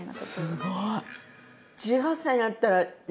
すごい！１８歳になったらね